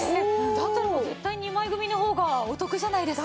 だったら絶対２枚組の方がお得じゃないですか。